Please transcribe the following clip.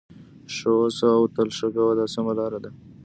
ښه اوسه او تل ښه کوه دا سمه لار ده.